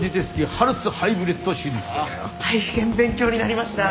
大変勉強になりました。